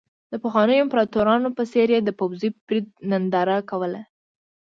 د پخوانیو امپراتورانو په څېر یې د پوځي پرېډ ننداره کوله.